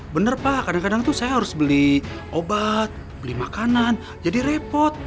bener pak kadang kadang tuh saya harus beli obat beli makanan jadi repot